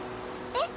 え？